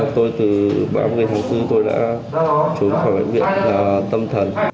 tôi từ ba mươi tháng bốn tôi đã trốn khỏi bệnh viện tâm thần